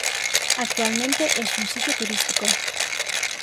Actualmente es un sitio turístico.